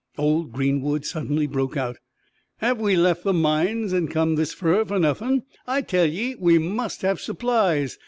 Old Greenwood suddenly broke out, "Have we left the mines an' come this fur fer nothin'? I tell ye, we must have supplies!